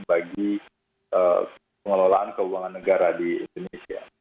bagi pengelolaan keuangan negara di indonesia